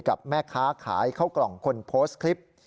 กับแม่ค้าขายข้าวกล่องคนโพสต์คลิป